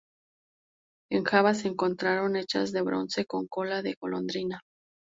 En Java se encontraron hachas de bronce con cola de golondrina.